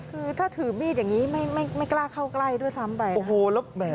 คือถ้าถือมีดอย่างนี้ไม่กล้าเข้าใกล้ด้วยซ้ำไป